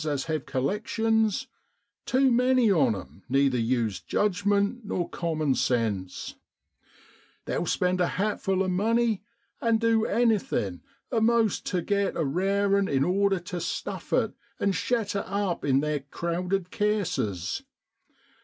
as have collections too many on 'em neither use judgment nor common sense; they'll spend a hat full of money, and du anything a'most tu get a rare 'un in order tu stuff it, and shet it up in theer crowded cases.